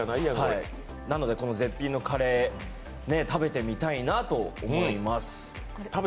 なのでこの絶品のカレー食べてみたいなと思います。